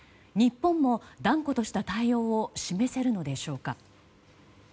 日本も断固とした対応を示せるのでしょうか。